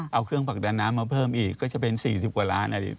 เอาเครื่องผลักดันน้ำมาเพิ่มอีกก็จะเป็น๔๐กว่าล้านอ่ะดิ